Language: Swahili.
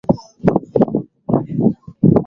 ashe hakuwambia watu kuhusu utambuzi huu